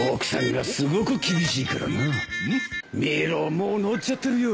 もう乗っちゃってるよ。